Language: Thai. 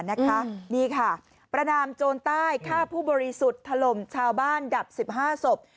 นี่ค่ะประนามโจรใต้ฆ่าผู้บริสุทธิ์ถล่มชาวบ้านดับ๑๕ศพ